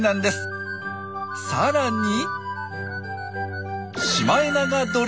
さらに。